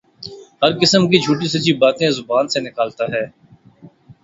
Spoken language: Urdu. ہر قسم کی جھوٹی سچی باتیں زبان سے نکالتا ہے